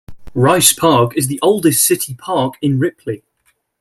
Rice Park is the oldest city park in Ripley.